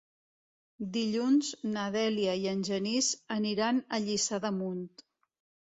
Dilluns na Dèlia i en Genís aniran a Lliçà d'Amunt.